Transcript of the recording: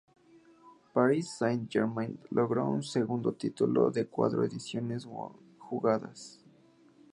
París Saint-Germain logró su segundo título de cuatro ediciones jugadas.